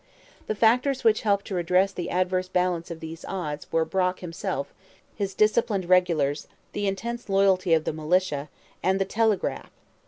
The factors which helped to redress the adverse balance of these odds were Brock himself, his disciplined regulars, the intense loyalty of the militia, and the 'telegraph.'